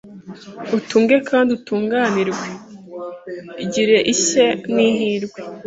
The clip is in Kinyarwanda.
utunge kendi utungenirwe, gire ishye n’ihirwe